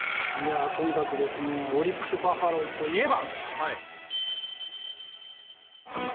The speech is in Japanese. とにかくですねオリックスバファローズといえば。